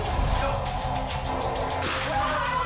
うわ！